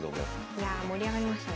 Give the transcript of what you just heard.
いやあ盛り上がりましたね。